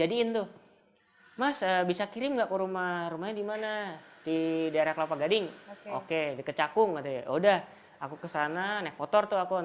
ini juga yang saya ingin kasih tau